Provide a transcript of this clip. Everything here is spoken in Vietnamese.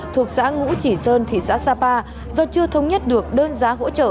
thuộc xã ngũ chỉ sơn thị xã sapa do chưa thống nhất được đơn giá hỗ trợ